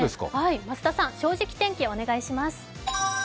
増田さん、「正直天気」お願いします